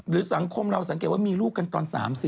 สังคมเราสังเกตว่ามีลูกกันตอน๓๐